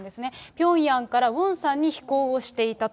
ピョンヤンからウォンサンに飛行をしていたと。